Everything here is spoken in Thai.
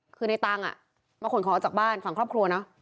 คือในตังค์มาขนของออกจากบ้านฝั่งครอบครัวเนอะ